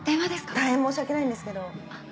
大変申し訳ないんですけど。